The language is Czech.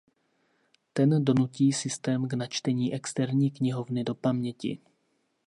Ten donutí systém k načtení externí knihovny do paměti.